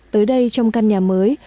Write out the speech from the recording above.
tới đây trong căn nhà mới